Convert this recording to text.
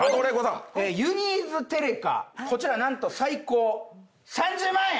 ユニーズテレカこちら何と最高３０万円！